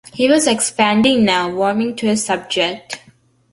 He was expanding now, warming to his subject.